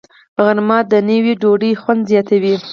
غرمه د نیوي ډوډۍ خوند زیاتوي